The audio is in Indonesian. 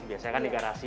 biasanya kan di garasi